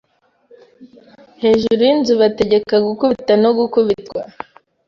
hejuru y'inzu, bategeka gukubita, nogukubitwa